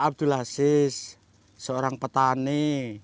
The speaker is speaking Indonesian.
abdul aziz seorang petani